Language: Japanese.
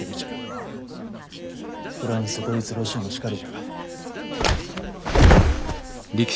フランスドイツロシアもしかりじゃ。